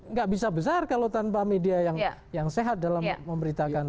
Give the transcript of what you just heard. nggak bisa besar kalau tanpa media yang sehat dalam memberitakan